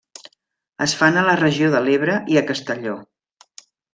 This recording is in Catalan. Es fan a la regió de l’Ebre i a Castelló.